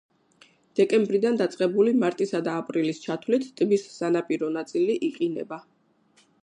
დეკემბრიდან დაწყებული მარტისა და აპრილის ჩათვლით ტბის სანაპირო ნაწილი იყინება.